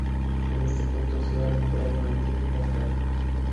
En este punto se ha recuperado un antiguo embarcadero.